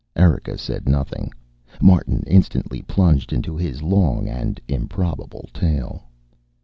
Erika said nothing. Martin instantly plunged into his long and improbable tale.